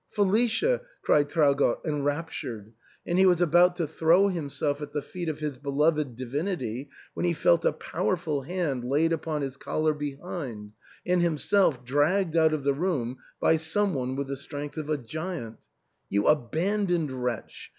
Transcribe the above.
" Felicia !" cried Traugott enraptured ; and he was about to throw himself at the feet of his beloved divinity when he felt a powerful hand laid upon his collar behind, and himself dragged out of the room by some one with the strength of a giant "You aban doned wretch!